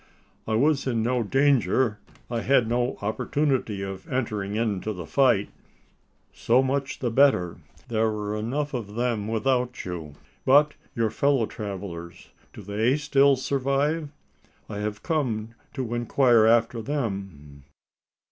"I was in no danger: I had no opportunity of entering into the fight." "So much the better there were enough of them without you. But your fellow travellers? Do they still survive? I have come to inquire after them."